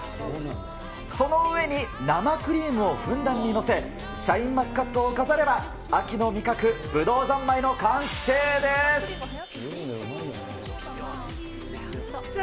その上に生クリームをふんだんに載せ、シャインマスカットを飾れば、秋の味覚、ぶどう三昧の完成です。